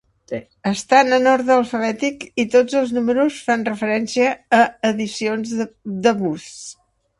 Estan en ordre alfabètic i tots els números fan referència a edicions de "Buzz".